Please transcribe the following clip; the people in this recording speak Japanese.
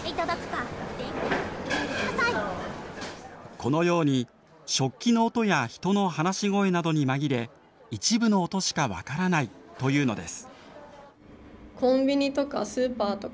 このように食器の音や人の話し声などに紛れ一部の音しか分からないというのです。